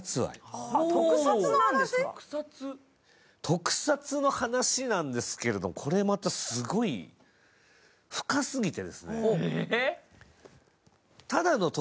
特撮の話なんですけど、これまたすごい深すぎて。